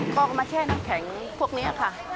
ก็มาแช่น้ำแข็งพวกนี้ค่ะ